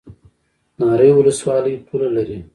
ناری ولسوالۍ پوله لري؟